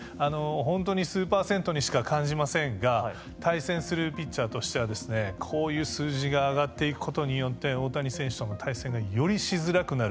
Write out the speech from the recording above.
本当に数％にしか感じませんが対戦するピッチャーとしてはこういう数字が上がっていくことによって大谷選手との対戦がよりしづらくなる。